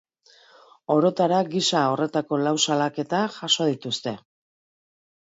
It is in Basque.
Orotara, gisa horretako lau salaketa jaso dituzte.